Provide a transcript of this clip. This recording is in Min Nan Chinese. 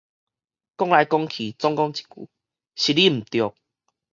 講來講去，總講一句，是你毋著